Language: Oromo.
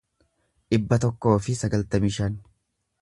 dhibba tokkoo fi sagaltamii shan